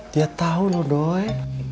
dia tahu nodoy